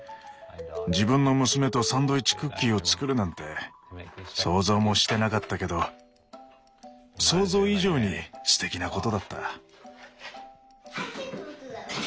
自分の娘とサンドイッチクッキーを作るなんて想像もしてなかったけど想像以上にすてきなことだった。